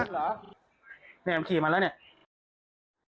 มึนเหรอนี่อัพพิชัยมาแล้วเนี่ย